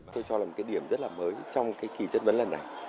tôi cho là một cái điểm rất là mới trong cái kỳ chất vấn lần này